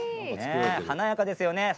華やかですよね。